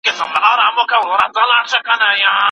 مراقبه کول د زړه درد کموي.